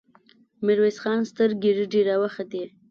د ميرويس خان سترګې رډې راوختې!